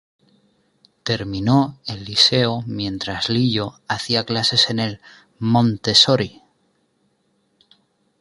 Terminó el liceo mientras Lillo hacía clases en el Montessori".